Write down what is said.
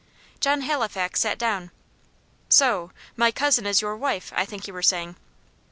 John Halifax sat down. "So my cousin is your wife, I think you were saying?"